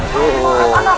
kamu bisa kakak